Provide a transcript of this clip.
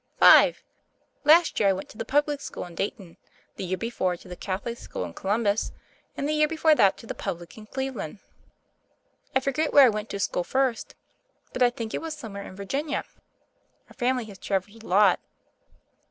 "Five. Last year I went to the public school in Dayton, the year before to the Catholic school in Columbus, and the year before that to the public in Cleveland. 1 forget where I went to school first ; but I think it was somewhere in Virginia. Our family has traveled a lot."